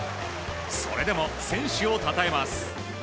それでも選手をたたえます。